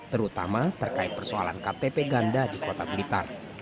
terutama terkait persoalan ktp ganda di kota blitar